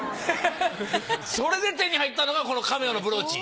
それで手に入ったのがこのカメオのブローチ。